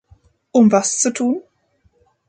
Um was zu tun?